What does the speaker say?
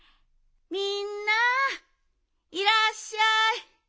みんないらっしゃい。